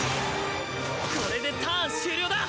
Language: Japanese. これでターン終了だ！